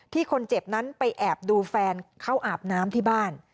คนเจ็บนั้นไปแอบดูแฟนเขาอาบน้ำที่บ้าน